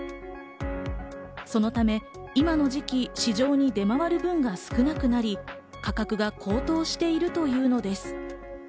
そのため今の時期、市場に出回る分が少なくなり、価格が高騰しているというのです。